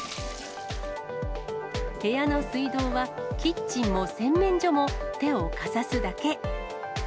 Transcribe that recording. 部屋の水道は、キッチンも洗面所も手をかざすだけ。